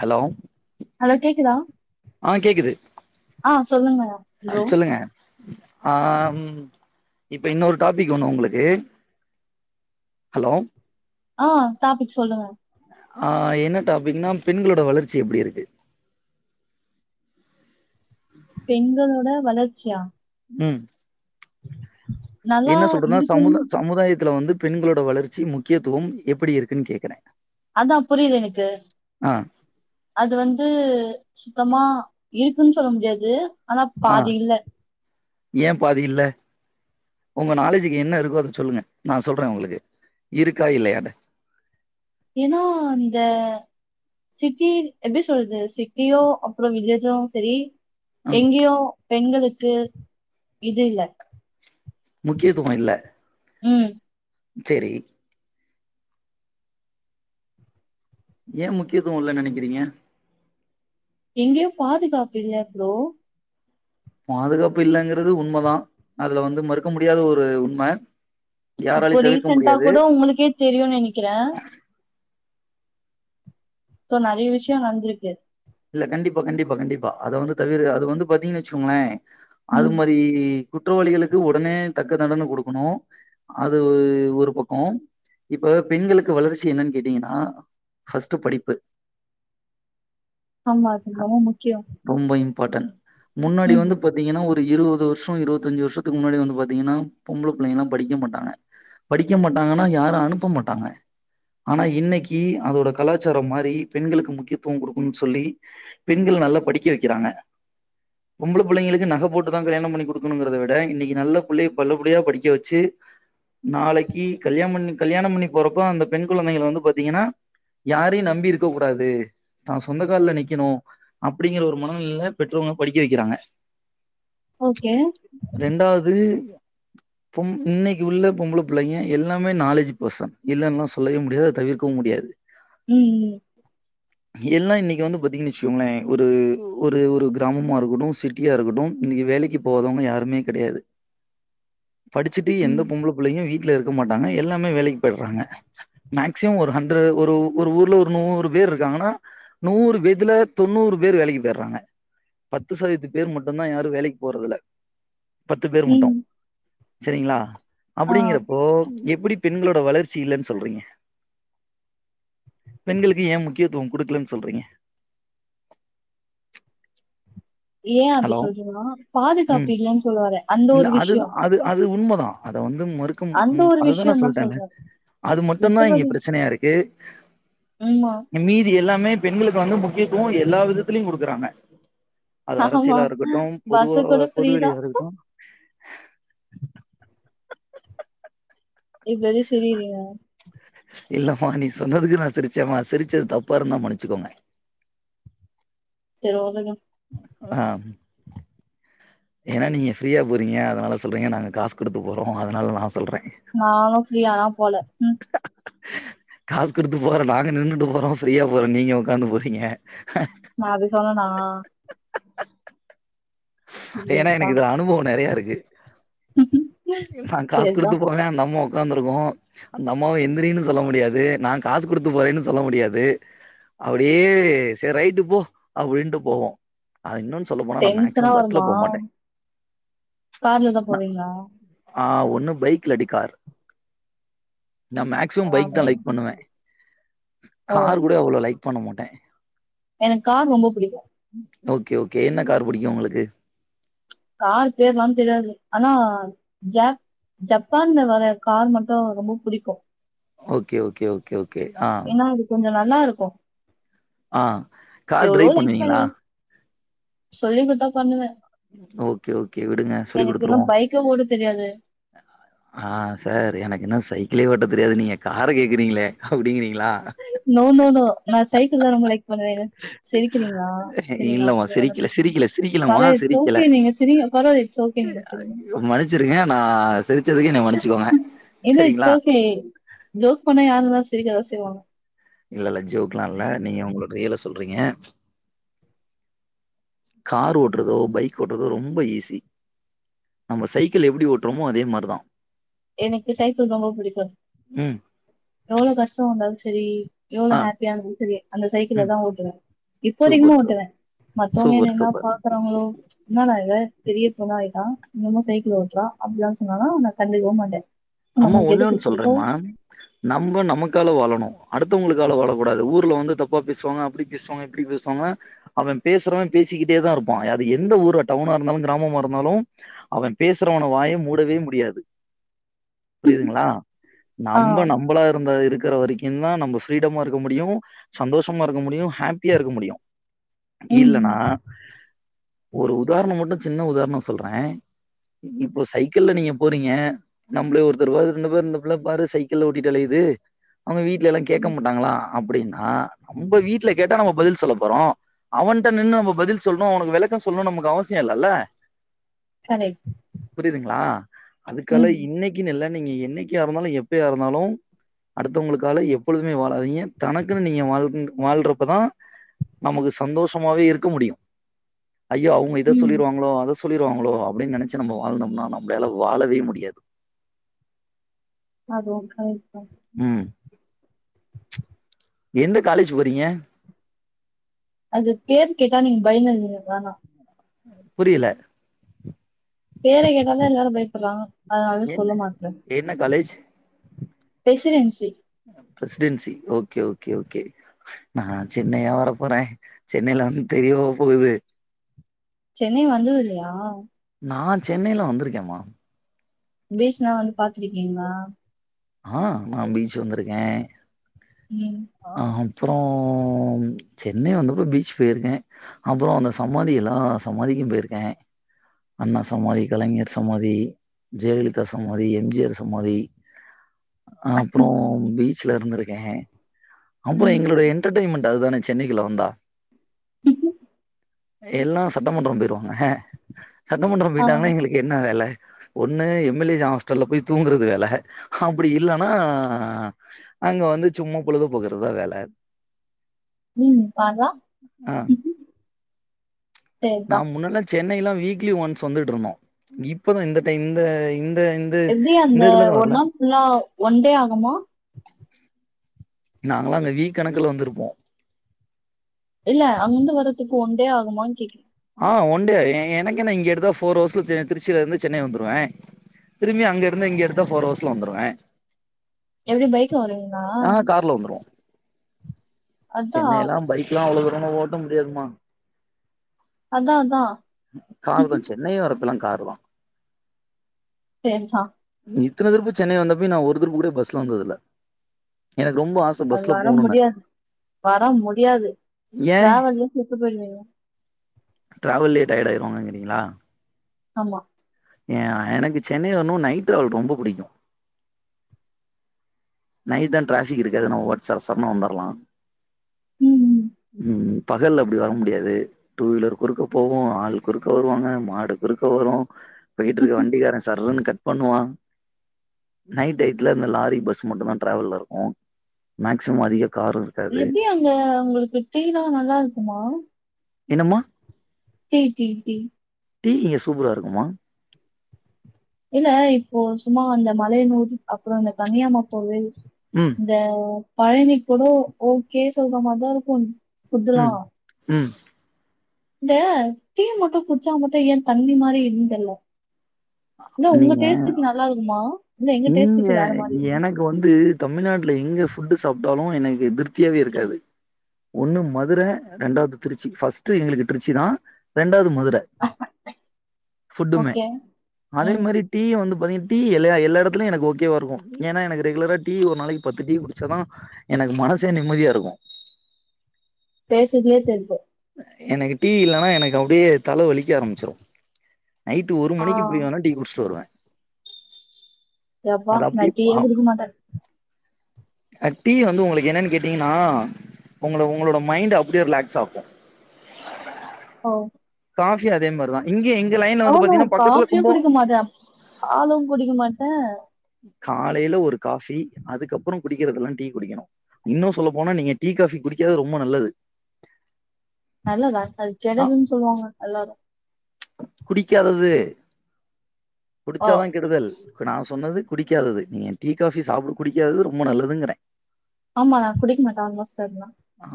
Hello hello கேக்குதா ஆ கேக்குது ஆ சொல்லுங்க ப்ரோ [unintelligible] ஆம் இப்ப இன்னொரு டாபிக் ஒணு உங்களுக்கு ஹலோ ஆ டாப்பிக் சொல்லுங்க ஆ என்ன டாபிக்னா பெண்களோட வளர்ச்சி எப்டிருக்கு பெண்களோட வளர்ச்சியா ம் நல்லா என்ன சொல்றதுன்னா இருக்குன்னு சமுத சமுதாயத்துல வந்து பெண்களோட வளர்ச்சி முக்கியத்துவம் எப்படி இருக்குன்னு கேக்குறே அதா புரியுது எனக்கு ஆ அது வந்து சுத்தமா இருக்குன் சொல்ல முடியாது ஆனா பாதி இல்ல ஏன் பாதி இல்ல உங்க நாலேஜிக்கு என்ன இருக்கோ அத சொல்லுங்க நா சொல்றேன் உங்களுக்கு இருக்கா இல்லையான்னு ஏன்னா அந்த சிட்டி எப்டி சொல்றது சிட்டியோ அப்புறொ வில்லேஜோ சரி ம் எங்கேயோ பெண்களுக்கு இது இல்ல முக்கியத்துவொ இல்ல ம் செரி ஏ முக்கியத்துவொ இல்லன் நெனக்கிறீங்க எங்கேயு பாதுகாப்பு இல்ல ப்ரோ பாதுகாப்பு இல்லங்கறது உண்மதா அதுல வந்து மறுக்க முடியாத ஒரு உண்ம இப்போ யாராலயு தவிர்க்க ரீசண்ட்டா முடியாது கூட உங்களுக்கே தெரியுன் நெனைக்கிறே இப்போ நறைய விஷயொ நடந்திருக்கு இல்ல கண்டிப்பா கண்டிப்பா கண்டிப்பா அத வந்து தவிர அது வந்து பாத்தீங்கன்னு வச்சகோங்களே அது ம் மாரி குற்றவாளிகளுக்கு உடனே தக்க தண்டன குடுக்குணு அது ஒரு பக்கொ இப்ப பெண்களுக்கு வளர்ச்சி என்னன் கேட்டீங்கன்னா ஃபஸ்ட்டு படிப்பு ஆமா அது அ ரொம்ப முக்கியோ ரொம்ப இம்பார்ட்டன் முன்னாடி ம் வந்து ப பாத்தீங்கன்னா ஒரு இருவது வருஷொ இருவத்தஞ்சு வருஷத்துக்கு முன்னாடி வந்து பாத்தீங்கன்னா பொம்பள புள்ளைங்க எல்லாம் படிக்க மாட்டாங்க படிக்க மாட்டாங்கன்னா யாரு அனுப்ப மாட்டாங்க ஆனா இன்னைக்கி அதோட கலாச்சாரம் மாரி பெண்களுக்கு முக்கியத்துவம் குடுக் குன் சொல்லி பெண்கள நல்லா படிக்க வைக்கிறாங்க பொம்பள புள்ளைங்களுக்கு நக போட்டுதா கல்யாணம் பண்ணி குடுக்கணுங்கறத விட இன்னைக்கி நல்ல புள்ளைய நல்லபடியா படிக்க வச்சி நாளைக்கி கல்யாம் பண்ணி கல்யாணம் பண்ணி போறப்ப அந்த பெண் குழந்தைங்கள வந்து பாத்தீங்கன்னா யாரையு நம்பி இருக்க கூடாது தா சொந்த கால்ல நிக்கணு அப்படிங்கிற ஒரு மனநிலைல பெற்றவுங்க படிக்க வைக்கிறாங்க ஓகே ரெண்டாவ்து பொம் இன்னைக்கி உள்ள பொம்பள புள்ளைங்க எல்லாமே நாலேஜ் பெர்சன் இல்லன்லா சொல்லவே முடியாது அத தவிர்க்கவு முடியாது ம் ம் எல்லா இன்னைக்கி வந்து பாத்தீங்கன்னு வச்சுக்கோங்களே ஒரு ஒரு ஒரு கிராமமா இருக்கட்டு சிட்டி யா இருக்கட்டும் இன்னைக்கி வேலைக்கு போவாதவுங்க யாருமே கடையாது படிச்சுட்டு எந்த ம் பொம்பள புள்ளைையு வீட்ல இருக்க மாட்டாங்க எல்லாமே வேலைக்கு போயிறாங்க மேக்சிமம் ஒரு ஹண்ட்ரட் ஒரு ஒரு ஊர்ல ஒரு நூறு பேர் இருக்காங்கன்னா நூறு பேத்துல தொண்ணூறு பேர் வேலைக்கி போய்யிறாங்க பத்து சதவீத்து பேர் மட்டுந்தா யாரு வேலைக்கு போறதுல்ல பத்து பேர் மட்டு ம் சரிங்ளா ஆ அப்படிங்கறப்போ எப்டி பெண்களோட வளர்ச்சி இல்லனு சொல்றீங்க பெண்களுக்கு எ முக்கியத்துவம் கொடுக்கலன்னு சொல்றீங்க ஏன் அப்டி ஹலோ சொல்றேன்னா பாதுகாப்பு ம் இல்லன்னு சொல்ல வரே அந்த இல்ல ஒரு அது விஷயோ அது அது உண்மதா அத வந்து மறு அந்த ம் ஒரு அதுதா நா விஷயந்தா சொல்லிட்டேன சொல்றே அது மட்டு தா இங்க ப்ரச்சனையா இருக்கு ம் மா மீதி எல்லாமே பெண்களுக்கு வந்து முக்கியத்துவோ எல்லா விதத்திலயு கொடுக்குறாங்க அது ஆமா அரசியலா இருக்கட்டு பொதுவா பஸ்ஸு கூட ஃப்ரீதா பொதுவெளியா இருக்கட்டு இப்போ எது செரி இல்ல இல்லம்மா நீ சொன்னதுக்கு நா சிரிச்சேமா சிரிச்சது தப்பா இருந்தா மன்னிச்சுக்கோமா [unintelligible] ஆ ஏன்னா நீங்க ஃப்ரீயா போறீங்க அதனால சொல்றீங்க நாங்க காசு கொடுத்து போறோ அதனால நா சொல்றே நானு ஃப்ரீயா லா போல ம் காசு கொடுத்து போற நாங்க நின்னுட்டு போறோ ஃப்ரீயா போற நீங்க உக்காந்து போறீங்க ஹ நா அப்டி சொன்னனா ஐயோ ஏன்னா ப்பா எனக்கு இதுல அனுபவோ நெறையா இருக்கு நா காசு சரிதா கொடுத்து போவே நம்ம உக்காந்துர்க்கோ அந்த அம்மாவ எந்திரின்னு சொல்ல முடியாது நா காசு கொடுத்து போறேன்னு சொல்ல முடியாது அப்டியே செரி ரைட்டு போ அப்டிண்ட்டு போவோ அது இன்னொன்னு சொல்ல போனா நா டென்ஷனா மேக்சிமம் பஸ்ல வருமா போமாட்டே ச் ங்ளா ஆ ஒண்ணு பைக் இல்லாடி கார் நா மேக்சிமம் பைக் காரு தா லைக் பண்ணுவே ஓ கார் கூட அவ்ளோ லைக் பண்ண மாட்டே எனக்கு கார் ரொம்ப புடிக்கு ஓகே ஓகே என்ன கார் பிடிக்கு உங்களுக்கு கார் பேர்லா தெரியாது ஆனா ஜேக் ஜப்பான்ல வர கார் மட்டு ரொம்ப புடிக்கு ஓகே ஓகே ஓகே ஓகே ஆ ஏன்னா அது கொஞ்சோ நல்லா இருக்கு ஆ கார் எவ்ளோ ட்ரைவ் லைக் பண்ணுவீங்களா பண்ணுவே சொல்லி கொடுத்தா பண்ணுவே ஓகே ஓகே விடுங்க சொல்லி எனக்கு இன்னு குடுத்துருவோ பைக்கே ஓட்ட தெரியாது ஆ சார் எனக்கு இன்னு சைக்கிளே ஓட்ட தெரியாது நீங்க கார் அ கேக்குறீங்களே அப்டிங்கிறீங்களா நோ நோ நோ நா சைக்கிள் தா ரொம்ப ளைக் பண்ணுவே சிரிக்கிறீங்களா சிரிங்க இல்லமா ஓன்னு சிரிக்கல ப்ரச்ன சிரிக்கல பெர சிரிக்கலமா சிரிக்கல இட்சோகே நீங்க சிரிங்க பெரா இட்ஸ் ஓகே நீங்க சிரிங்க சிரிச்சிருக்கே நா சிரிச்சதுக்கு என்ன மன்னிச்சுக்கோங்க இது இட்ஸ் சரிங்களா ஓகே ஜோக் பண்ணா யாரு வேணாலு சிரிக்கதா செய்வாங்க இல்ல இல்ல ஜோக் ல்லா இல்ல நீங்க உங்களோட ரியல சொல்றீங்க கார் ஓட்றதோ பைக் ஓட்றதோ ரொம்ப ஈஸி நம்ம சைக்கிள் எப்டி ஓட்றமோ அதே மாரிதா எனக்கு சைக்கிள் ரொம்ப பிடிக்கு ம் எவ்ளோ கஷ்டோ வந்தாலு செரி எவ்ளோ ஆ ஹாப்பியா இருந்தாலு செரி அந்த சைக்கிள ம். தா ஓட்டுவே இப்போ அதிகமா சூப்பர் சார். ஓட்டுவ மத்தவங்க என்ன சூப்பர், என்னா சூப்பர். பாக்குறாங்களோ என்ன டா இவ பெரிய பொண்ணா ஆய்ட்டா இன்னுமா சைக்கிள் ஒட்டுறா அப்டிலா சொன்னாலா நா கண்டுக்கவே மாட்ட அம்மா ஒண்ணே ஒண்ணு சொல்றேமா நம்ப நமக்கால வாழணு அடுத்தவங்களுக்கால வாழக்கூடாது ஊர்ல வந்து தப்பா பேசுவாங்க அப்டி இப் பேசுவாங்க இப்டி பேசுவாங்க அவ பேசுறவ பேசிக்கிட்டேதா இருப்பா அது எந்த ஊரோ டவுனா இருந்தாலு கிராமமா இருந்தாலு அவ பேசுறவன வாய மூடவே முடியாது புரியுதுங்களா ஆ நம்ப நம்பளா இருந்த இருக்கற வரிக்கு ந்தா நம்ப ஃப்ரீடமா இருக்க முடியு சந்தோஷமா இருக்க முடியு ஹாப் ப்பியா இருக்க முடியு ம் இல்லனா ம் ஒரு உதாரணொ மட்டு சின்ன உதாரணொ சொல்றே இப்போ சைக்கிள்ல நீங்க போறீங்க நம்ள ஒரு தோ பார் இந்த புள்ள பாரு சைக்கிள் ஓட்டிட்டு அலயுது அவங்க வீட்ல எல்லா கேக்க ம் மாட்டாங்களா அப்டின்னா நம்ப வீட்ல கேட்டா நம்ப பதில் சொல்ல போறோ அவன்ட்ட நின்னு நம்ப பதில் சொல்னு அவனுக்கு வெளக்க சொல்ணு நமக்கு அவசியொ இல்லல்ல கரெக்ட் புரியுதுங்களா அதுக்கால ம் இன்னைக் கீன் இல்ல நீங்க என்னைக்கா இருந்தாலு எப்பயா இருந்தாலு அடுத்தவங்களுக்கால எப்பொழுதுமே வாழாதீங்க தனக்குன் நீங்க வாழ்றப்பதா நமக்கு சந்தோஷமாவே இருக்க முடியு ஐயோ அவ்ங்க இத ம் சொல்லிருவாங்களோ அத சொல்லிருவாங்களோ அப்டின் நெனச்சு நம்ம வாழ்ந்தோம்னா நம்மளால வாழவே முடியாது அதுவு கரெக்ட்தா ம் எந்த காலேஜ் போறீங்க அது பேர் கேட்டா நீங்க பயோன் நெனச்சிடுவீங்க வேணா புரியல பேர கேட்டாதா எல்லாரு பயப்படுறாங்க அதனால தா என்ன சொல்ல மாட்ட என்ன college Presidency Presidency okay okay okay நா சென்னையா வர போற சென்னைல வந்து தெரியவா போகுது சென்னை வந்ததில்லயா நா சென்னைலா வந்திருக்கேமா பீச்னா வந்து பாத்ருக்கீங்ளா ஆ நா பீச் வந்திருக்கே ம் அ அப்றொ சென்னை வந்தப்ப பீச் போயிருக்க அப்புறொ அந்த சமாதி எல்லா சமாதிக்கு போயிருக்கே அண்ணா சமாதி கலைஞர் சமாதி ஜெயலலிதா சமாதி எம் ஜி ஆர் சமாதி அப்றொ பீச்ல இருந்திருக்கே அப்றொ ம் எங்களுடைய என் என்டர்டெய்ன்மென்ட் அது தானே சென்னைக்குள்ள வந்தா எல்லா சட்டமன்றொ போயிருவாங்க சட்டமன்றொ ஆ போயிட்டாங்கனா எங்களுக்கு என்ன வேல ஒண்ணு எம் எல் ஏ ஹாஸ்டல்ல போய் தூங்கறது வேல அப்டி இல்லனா அங்க வந்து சும்மா பொழுத போக்குறதுதா வேல ம் பார்றா ஆ நா முன்னாடிலா சென்னைக்லா வீக்லி ஒன்ஸ் வந்துட்டு இருந்தோ இப்பதா இந்த டைம்தா இந் இந் எப்டி அந்த ஒரு நாள் ஃபுல்லா ஒன் டே ஆகுமோ நாங்களாம் அங்க வீக் கணக்குல வந்துருப்போம் இல்ல அங்க வர்றதுக்கு ஒண்டே ஆகுமான்னு கேக்ர ஆ ஒண்டே எ எனக்கென்ன இங்க எடுத்தா ஃபோர் ஹவர்ஸ்ல திருச்சியில இருந்து சென்னை வந்துருவ திரும்பி அங்க இருந்து இங்கயிருந்து ஃபோர் ஹவர்ஸ்ல வந்துருவ எப்டி பைக்ல வருவீங்களா ஆ கார்ல வந்துருவோம் அதா சென்னைலா பைக்ல்லாம் அவ்வளவு தூரம் ஓட்ட முடியாதுமா அதான் அதான் காரு தான் சென்னை வர்றப்பல்லாம் காரு தான் சேரிதா இத்தன திருப்பு சென்னை வந்த போய் நா ஒரு திருப்பு கூட பஸ்ல வந்ததுல்ல எனக்கு ரொம்ப ஆச அது பஸ்ல வர போணுன்னு முடியாது வர முடியாது டிராவல்லே செத்து போயிருவீங்க ட்ராவல்லையே டயர்ட் ஆயிருவோங்கிங்களா ஆமா ஏ எனக்கு சென்னை வரனு நைட் ட்ராவல் ரொம்ப பிடிக்கும் நைட் தான் ட்ராபிக் இருக்காது ஆனா ஒரு [unintelligible] வந்துடலாம் ம் உம் பகல்ல அப்படி வர முடியாது டூ வீலர் குறுக்க போவோம் ஆளு குறுக்க வருவாங்க மாடு குறுக்க வரும் போயிட்டுருக்க வண்டிக்காரன் சர்ன்னு கட் பண்ணுவா நைட் டைத்துல இந்த லாரி பஸ் மட்டும்தான் ட்ராவல்ல இருக்கும் மேக்சிமம் அதிகம் காரு இருக்காது எப்டி அங்க உங்களுக்கு டீ தான் நல்லா இருக்குமா என்னமா டீ டீ டீ டீ இங்க சூப்பரா இருக்குமா இல்ல இப்போ சும்மா இந்த மலையனூர் அப்புறம் இந்த கங்கையம்மா கோவில் உம் இந்த பழனி கூட ஓகே சொல்ற மாரிதான் இருக்கும் உம் உம் இந்த டீ மட்டும் குடிச்சா மட்டும் ஏன் தண்ணி மாரி இருக்குனு தெரியல இல்ல உங்க நீங்க டேஸ்ட்டுக்கு நல்லா இருக்குமா இல்ல எங்க டேஸ்ட்டுக்கு வேற மாரி இருக்குமா இப்ப வந்து தமிழ்நாட்டுல எங்க ஃபுட்டு சாப்ட்டாலும் எனக்கு திருப்தியாவே இருக்காது ஒண்ணு மதுர ரெண்டாவது திருச்சி ஃபர்ஸ்ட்டு எங்களுக்கு திருச்சி தான் ரெண்டாவது மதுர ஃபுட்டுமே ஓகே அதே ம் மாரி டீ வந்து பாத்தீங்னா டீ எல்லா எல்லா இடத்துலயும் எனக்கு ஓகே வா இருக்கும் ஏன்னா எனக்கு ரெகுலராக டீ ஒரு நாளைக்கு பத்து டீ குடிச்சாதான் எனக்கு மனசே நிம்மதியா இருக்கும் பேசுறதுலே தெரிது எனக்கு டீ இல்லன்னா எனக்கு அப்டியே தல வலிக்க ஆரம்பிச்சிரும் நைட்டு ஒரு ஆ மணிக்கு போய் வேணா டீ குடிச்ட்டு வருவ எப்பா நா டீயே அப்டியே குடிக்க மாட்ட டீ வந்து உங்களுக்கு என்னன் கேட்டீங்கன்னா உங்க உங்களோட மைண்ட்ட அப்படியே ரிலாக்ஸ் ஆக்கும் ஓ காஃபி அதே மாரிதான் இங்க எங்க லைன்ல நோ வந்து நோ பாத்தீங்கன்னா பக்கத்துல காஃபியே கும்போ குடிக்க மாட்டே பாலும் குடிக்க மாட்ட காலையில ஒரு காஃபி அதுக்கு அப்றோ குடிக்கறதுலா டீ குடிக்ணு இன்னு சொல்ல போனா நீங்க டீ காஃபி குடிக்காது ரொம்ப நல்லது நல்லாதா அது ஆ கெடுதலுனு சொல்லுவாங்க எல்லாரு குடிக்காதது ஓ குடிச்சாதா கெடுதல் நா சொன்னது குடிக்காதது நீங்க டீ காஃபி சாப்ட் குடிக்காதது ரொம்ப நல்லதுங்கிறே ஆமா நா குடிக்க மாட்டா ஆல்மோஸ்ட் அதுலா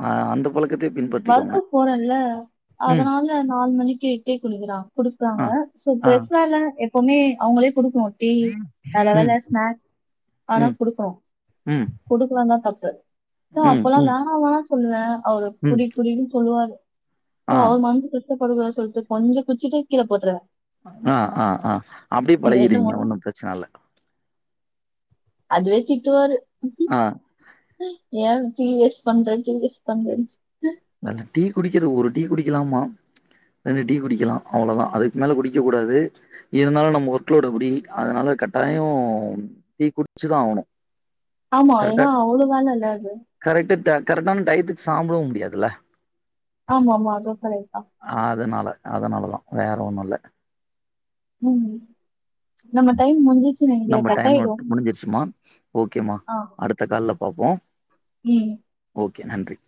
அ அந்த பழக் ஒர்க் போறன்ல ம் அதனா நாலு மணிக்கு டீ குடுக்கற குடுக்கறாங்க ஆ சோ ஆ ஃப்ரஸாலா எப்வுமே அவங்ளே கொடுக்கு டீ நல்ல ம் வேல ஸ்னாக்ஸ் ஆனா ம் குடுக்றோ ம் கொடுக்கலனா தப்பு சோ ம் அப்ப எல்லா ம் வேணா வேணா சொல்வ அவரு ம் குடி குடினு சொல்லுவாரு சோ ஆ அவரு மனசு கஷ்ட படக்கூடாது சொல்லிட்டு கொஞ்ச குடிச்சிட்டு கீழ போட்றுவ ஆ ஆ ஆ அப்டியே மூணு பழகிறிங்க ஒன்னு ப்ரச்சன இல்ல அதுவே திட்டுவாரு ஆ ஏ டீ வெஸ் பண்ற டீ வெஸ் பண்றனு நல்ல டீ குடிக்கறது ஒரு டீ குடிக்லாமா ரெண்டு டீ குடிக்கலா அவ்ளோதா அதுக்கு மேல குடிக்க கூடாது இருந்தாலு நம்ம ஒர்க் லோட் அப்டி அதனால கட்டாயோ டீ குடிச்சுதா ஆவனு ஆமா ஏனா அவ்ளோ வேலல்ல அது கரெக்ட் த கரெக்டான டயத்துக்கு சாப்படவு முடியாதுல ஆமா ஆமா அதுவு கரெட் தா அதனால அதனால தா வேற ஒண்ணு இல்ல ம் நம்ம முடிஞ் நம்ம டைம் நோட் முடிஞ்சிருச்சுமா ஓகேமா ஆ அடுத்த கால்ல பாப்போ ம் ஓகே நன்றி